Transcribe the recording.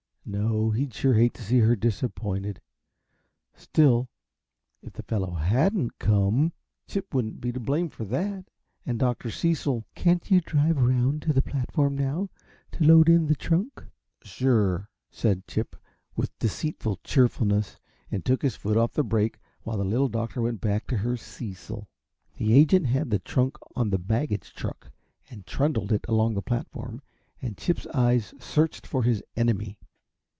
No, he'd sure hate to see her disappointed still, if the fellow HADN'T come, Chip wouldn't be to blame for that, and Dr. Cecil "Can't you drive around to the platform now, to load in the trunk?" "Sure," said Chip, with deceitful cheerfulness, and took his foot off the brake, while the Little Doctor went back to her Cecil. The agent had the trunk on the baggage truck and trundled it along the platform, and Chip's eyes searched for his enemy.